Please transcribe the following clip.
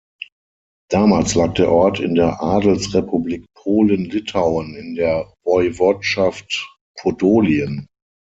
Damals lag der Ort in der Adelsrepublik Polen-Litauen in der Woiwodschaft Podolien.